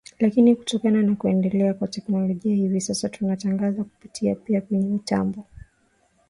lakini kutokana na kuendelea kwa teknolojia hivi sasa tunatangaza kupitia pia kwenye mitambo